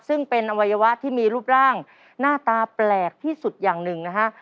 ซึ่งเป็นอวัยวะที่มีรูปร่างหน้าตาแปลกที่สุดอย่างหนึ่งนะฮะ